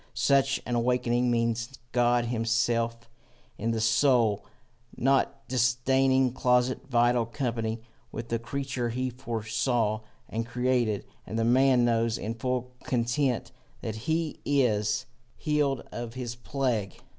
Such an awaking means God himself in the soul, not disdaining closest vital company with the creature he foresaw and created. And the man knows in full content that he is healed of his plague.